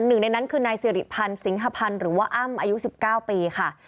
หนึ่งในนั้นคือนายสิริพันธ์สิงหพันธ์หรือว่าอ้ำอายุ๑๙ปีค่ะ